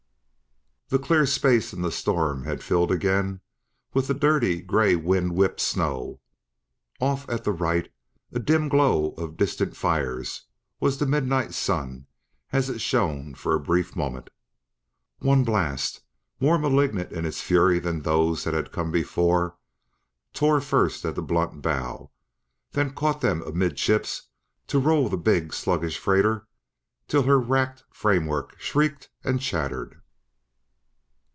The clear space in the storm had filled again with the dirty gray of wind whipped snow; off at the right a dim glow of distant fires was the midnight sun as it shone for a brief moment. One blast, more malignant in its fury than those that had come before, tore first at the blunt bow, then caught them amidships to roll the big, sluggish freighter till her racked framework shrieked and chattered.